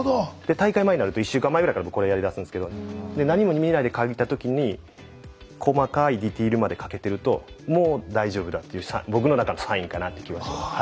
大会前になると１週間前ぐらいから僕これやりだすんですけど何も見ないで描いた時に細かいディテールまで描けてるともう大丈夫だっていう僕の中のサインかなっていう気はしてます。